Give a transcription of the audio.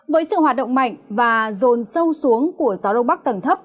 với sự hoạt động mạnh và rồn sâu xuống của gió đông bắc tầng thấp